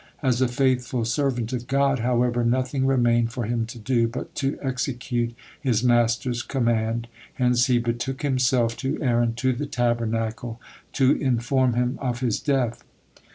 As a faithful servant of God, however, nothing remained for him to do, but to execute his Master's command, hence he betook himself to Aaron to the Tabernacle, to inform him of his death.